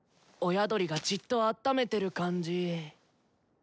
親鳥がじっとあっためてる感じ。